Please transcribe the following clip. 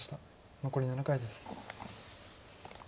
残り７回です。